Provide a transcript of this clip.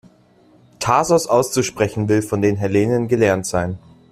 Thasos auszusprechen will von den Hellenen gelernt sein.